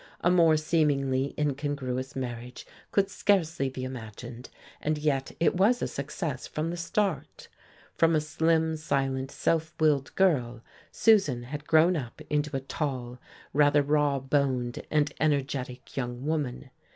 A more seemingly incongruous marriage could scarcely be imagined, and yet it was a success from the start. From a slim, silent, self willed girl Susan had grown up into a tall, rather rawboned and energetic young woman.